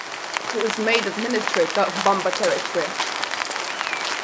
He was made administrator of Bumba Territory.